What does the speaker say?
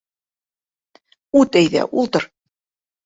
Үт, әйҙә, ултыр!